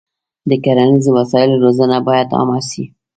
د کرنیزو وسایلو روزنه باید عامه شي.